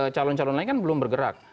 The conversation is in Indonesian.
calon calon lain kan belum bergerak